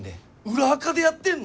裏アカでやってるの！？